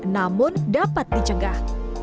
namun dapat dicegah